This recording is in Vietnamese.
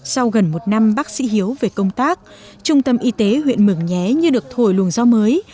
sau gần một năm bác sĩ hiếu về công tác trung tâm y tế huyện mường nhé như được thổi luồng gió mới